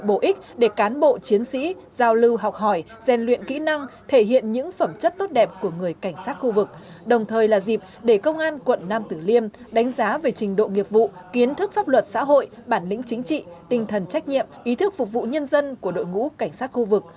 bổ ích để cán bộ chiến sĩ giao lưu học hỏi gian luyện kỹ năng thể hiện những phẩm chất tốt đẹp của người cảnh sát khu vực đồng thời là dịp để công an quận nam tử liêm đánh giá về trình độ nghiệp vụ kiến thức pháp luật xã hội bản lĩnh chính trị tinh thần trách nhiệm ý thức phục vụ nhân dân của đội ngũ cảnh sát khu vực